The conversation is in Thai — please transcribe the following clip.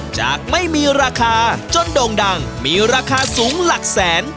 จากไม่มีราคาจนโด่งดังมีราคาสูงหลักแสน